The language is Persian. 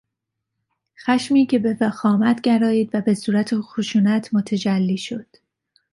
خشمی که به وخامت گرایید و به صورت خشونت متجلی شد